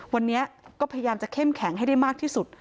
วันนี้ก็พยายามจะเข้มแข็งให้ได้มากที่สุด